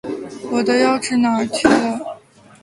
哎，我钥匙哪儿去了？